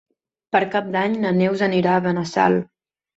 Per Cap d'Any na Neus anirà a Benassal.